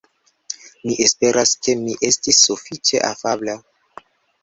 Mi esperas ke mi estis sufiĉe afabla.